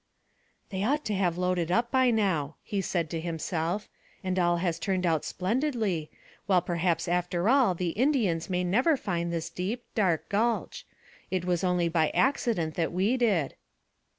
"They ought to have loaded up by now," he said to himself, "and all has turned out splendidly, while perhaps after all the Indians may never find this deep, dark gulch. It was only by accident that we did."